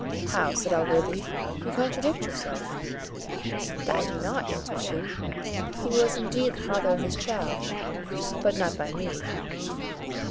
"How!" said Allworthy; "you contradict yourself." "That I do not," answered she; "he was indeed the father of this child, but not by me."